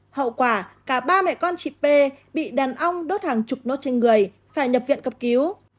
hậu quả cả ba mẹ con chị p bị đàn ong đốt hàng chục nốt trên người phải nhập viện cấp cứu